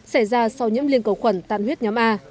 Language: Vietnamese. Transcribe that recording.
xảy ra sau nhiễm liên cầu khuẩn tan huyết nhóm a